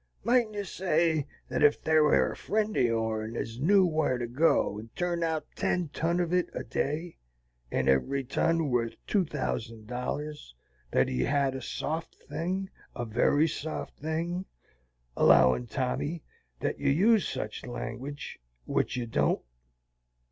Mightn't you say that ef thar was a friend o' yourn ez knew war to go and turn out ten ton of it a day, and every ton worth two thousand dollars, that he had a soft thing, a very soft thing, allowin', Tommy, that you used sich language, which you don't?"